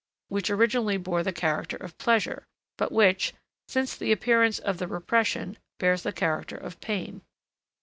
which originally bore the character of pleasure, but which, since the appearance of the repression, bears the character of pain.